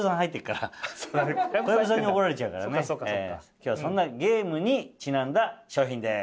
今日はそんなゲームにちなんだ商品です。